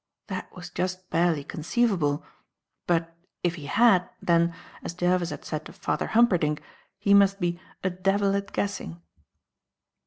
That was just barely conceivable; but, if he had, then, as Jervis had said of Father Humperdinck, he must be "a devil at guessing."